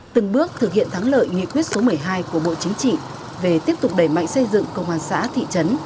từng bước thực hiện thắng lợi nghị quyết số một mươi hai của bộ chính trị về tiếp tục đẩy mạnh xây dựng công an xã thị trấn